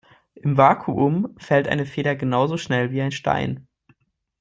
Im Vakuum fällt eine Feder genauso schnell wie ein Stein.